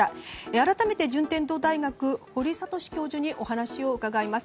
改めて順天堂大学堀賢教授にお話を伺います。